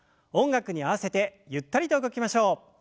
音楽に合わせてゆったりと動きましょう。